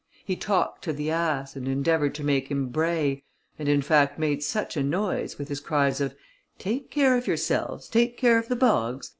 He talked to the ass, and endeavoured to make him bray, and in fact made such a noise, with his cries of, "_Take care of yourselves, take care of the bogs!